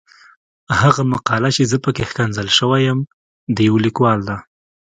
هغه مقاله چې زه پکې ښکنځل شوی یم د يو ليکوال ده.